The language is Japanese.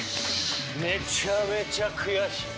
めちゃめちゃ悔しい。